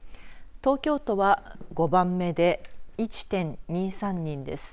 東京都は５番目で１．２３人です。